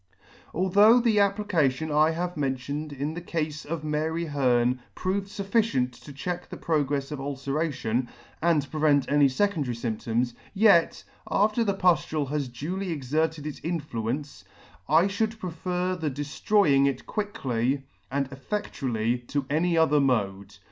Although the application I have mentioned in the cafe of Mary Hearn proved fufficient to check the progrefs of ulceration, and prevent any fecondary fymptoms, yet, after the puftule has duly exerted its influence, I fliould prefer the deftroying it quickly and effectually to any other mode.